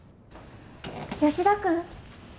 吉田君。